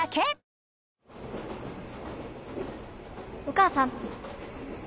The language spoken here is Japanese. お母さん